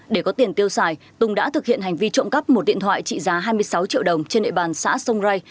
để có tiền tiêu xài tùng đã thực hiện hành vi trộm cấp một điện thoại trị giá hai mươi sáu triệu đồng trên nệ bàn xã sông rây